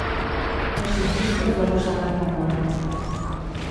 El surfista és arrossegat per l'ona.